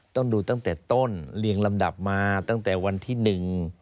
ต้องดูตั้งแต่ต้นเรียงลำดับมาตั้งแต่วันที่หนึ่ง